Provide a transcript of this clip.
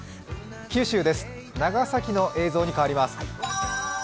九州です、長崎の映像に変わります。